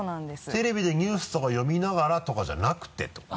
テレビでニュースとか読みながらとかじゃなくてってこと？